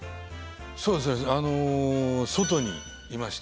そうですねあの外にいました。